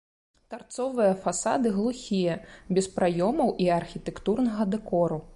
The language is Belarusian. Тарцовыя фасады глухія, без праёмаў і архітэктурнага дэкору.